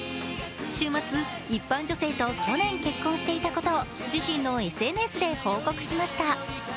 週末、一般女性と去年、結婚していたことを自身のＳＮＳで報告しました。